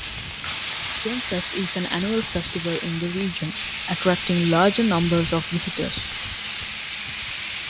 GemFest is an annual festival in the region, attracting large numbers of visitors.